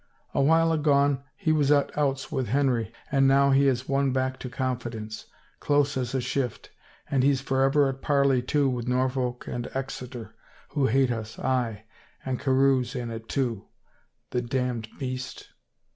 A while agone he was at outs with Henry and now he has won back to confidence, close as a shift, and he's forever at parley, too, with Norfolk and Exeter who hate us, aye, and Carewe's in it, too — the damned beast